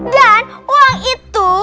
dan uang itu